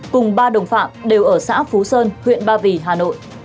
cùng ba đồng phạm đều ở xã phú sơn huyện ba vì hà nội